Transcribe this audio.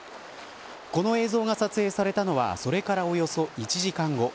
この映像が撮影されたのはそれからおよそ１時間後。